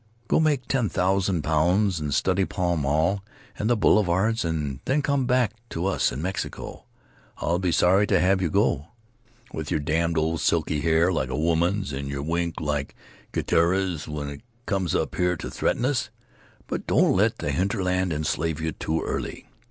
Go make ten thousand pounds and study Pall Mall and the boulevards, and then come back to us in Mexico. I'll be sorry to have you go—with your damned old silky hair like a woman's and your wink when Guittrez comes up here to threaten us—but don't let the hinterland enslave you too early."